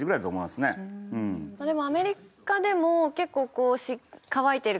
でもアメリカでも結構乾いている球場